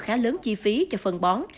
khá lớn chi phí cho phân bón